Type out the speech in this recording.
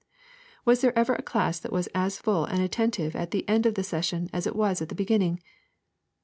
Was there ever a class that was as full and attentive at the end of the session as it was at the beginning?